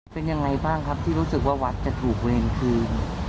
เป็นอย่างไรบ้างครับที่รู้สึกว่าวัดจะถูกไม่เห็นคืน